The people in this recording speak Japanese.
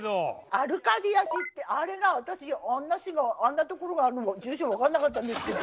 アルカディアってあれが私あんな所があるの住所分かんなかったんですけど。